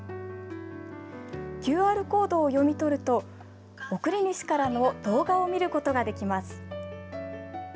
ＱＲコードを読み取ると贈り主からの動画を見ることができます。